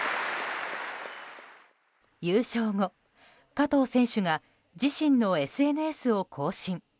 優勝後、加藤選手が自身のＳＮＳを更新。